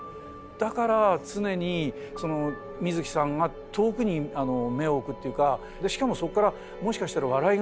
だから常にその水木さんが遠くに目を置くっていうかしかもそっからもしかしたら笑いが生じるような。